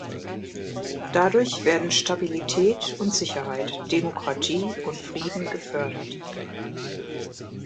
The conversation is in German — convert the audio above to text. Dadurch werden Stabilität und Sicherheit, Demokratie und Frieden gefördert.